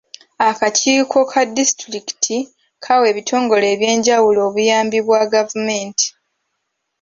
Akakiiko ka disitulikiti kawa ebitongole ebyenjawulo obuyambi bwa gavumenti.